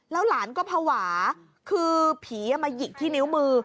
หลานก็ภาวะคือผีมาหยิกที่นิ้วมือ